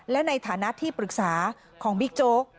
และในฐานะที่ปรึกษาของบิ๊กโจ๊ก